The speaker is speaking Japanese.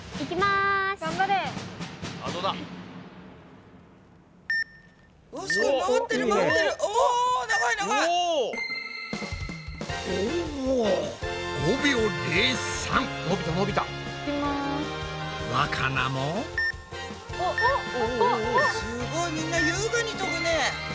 すごいみんな優雅に飛ぶね。